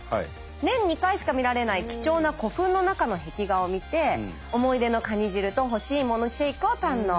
年２回しか見られない貴重な古墳の中の壁画を見て思い出のカニ汁と干しいものシェイクを堪能。